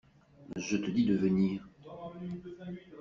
Je te dis de venir.